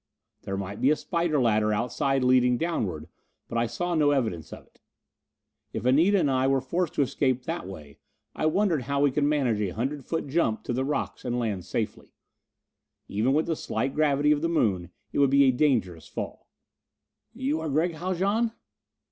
There might be a spider ladder outside leading downward, but I saw no evidence of it. If Anita and I were forced to escape that way, I wondered how we could manage a hundred foot jump to the rocks and land safely. Even with the slight gravity of the Moon it would be a dangerous fall. "You are Gregg Haljan?"